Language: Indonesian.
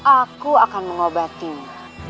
aku akan mengobatinya